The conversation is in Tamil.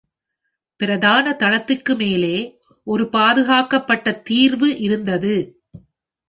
பிரதான தளத்திற்கு மேலே ஒரு பாதுகாக்கப்பட்ட தீர்வு இருந்தது.